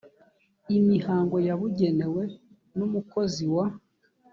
imihango yabugenewe n umukozi wa